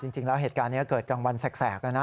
จริงแล้วเหตุการณ์นี้เกิดกลางวันแสกนะ